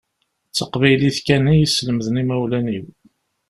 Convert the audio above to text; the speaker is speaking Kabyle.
D taqbaylit kan i yi-islemden imawlan-iw.